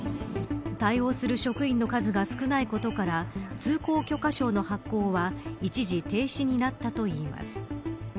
対応する職員の数が少ないことから通行許可証の発行は一時停止になったといいます。